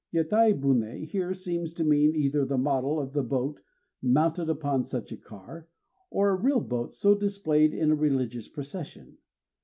Yatai buné here seems to mean either the model of a boat mounted upon such a car, or a real boat so displayed in a religious procession.